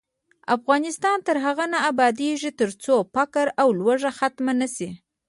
افغانستان تر هغو نه ابادیږي، ترڅو فقر او لوږه ختمه نشي.